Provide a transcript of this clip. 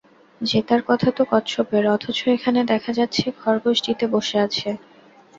জেতার কথা তো কচ্ছপের, অথচ এখানে দেখা যাচ্ছে খরগোশ জিতে বসে আছে।